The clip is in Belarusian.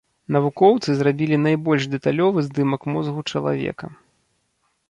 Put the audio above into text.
Навукоўцы зрабілі найбольш дэталёвы здымак мозгу чалавека.